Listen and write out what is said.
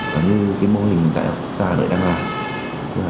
cả như cái mô hình đại học công nghiệp hà nội đang làm